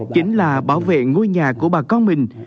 chính là bảo vệ ngôi nhà của bà con mình